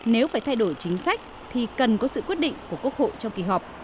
nếu phải thay đổi chính sách thì cần có sự quyết định của quốc hội trong kỳ họp